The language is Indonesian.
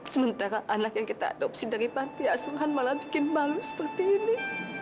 sementara anak yang kita adopsi dari panti asuhan malah bikin malu seperti ini